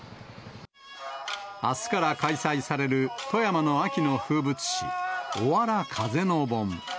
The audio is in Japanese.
あすから開催される富山の秋の風物詩、おわら風の盆。